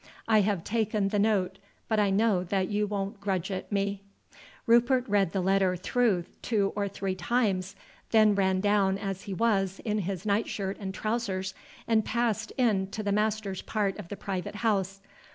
I have taken the note, but I know that you won't grudge it me." Rupert read the letter through two or three times, then ran down as he was, in his night shirt and trousers, and passed in to the master's part of the private house.